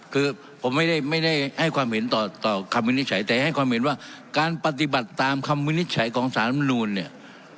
คือผมไม่ได้ให้ความเห็นต่อคำวินิจฉัยแต่ให้ความเห็นว่าการปฏิบัติตามคำวินิจฉัยของสารลำนูลเนี่ย